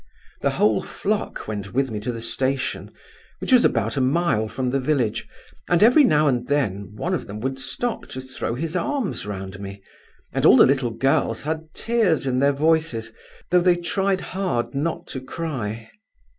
The whole flock went with me to the station, which was about a mile from the village, and every now and then one of them would stop to throw his arms round me, and all the little girls had tears in their voices, though they tried hard not to cry.